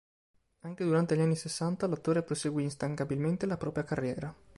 Anche durante gli anni sessanta l'attore proseguì instancabilmente la propria carriera.